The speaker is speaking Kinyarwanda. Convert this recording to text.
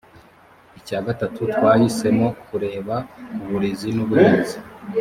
icya gatatu twahisemo kureba kuburezi n’ubuhinzi